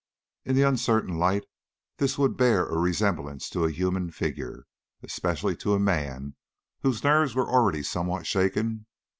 In the uncertain light this would bear a resemblance to a human figure, especially to a man whose nerves were already somewhat shaken.